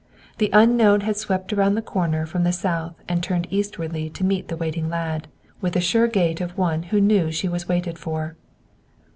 The unknown had swept around the corner from the south and turned eastwardly to meet the waiting lad, with the sure gait of one who knew she was waited for.